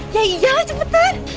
ya iya cepetan